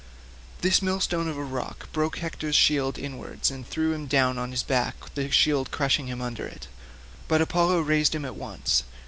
This millstone of a rock broke Hector's shield inwards and threw him down on his back with the shield crushing him under it, but Apollo raised him at once.